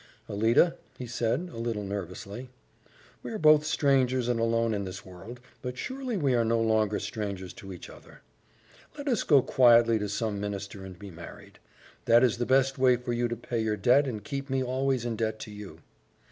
"Alida," he said, a little nervously, "we are both strangers and alone in this world, but surely we are no longer strangers to each other. Let us go quietly to some minister and be married. That is the best way for you to pay your debt and keep me always in debt to you."